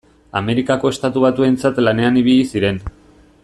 Amerikako Estatu Batuentzat lanean ibili ziren.